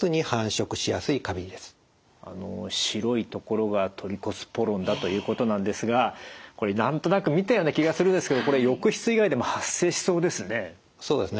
あの白い所がトリコスポロンだということなんですがこれ何となく見たような気がするんですけど浴室以外でも発生しそうですね。